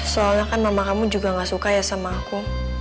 soalnya kan mama kamu juga gak suka ya sama aku